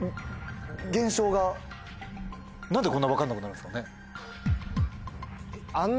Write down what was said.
何でこんな分かんなくなるんですかね？